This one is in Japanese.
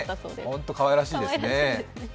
ホントかわいらしいですね。